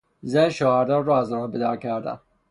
زن شوهردار را از راه به در کردن